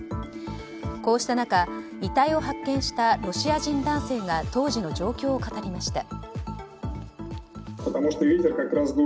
こうした中、遺体を発見したロシア人男性が当時の状況を語りました。